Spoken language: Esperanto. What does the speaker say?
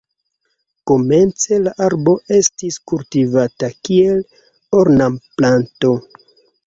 Komence la arbo estis kultivata kiel ornamplanto.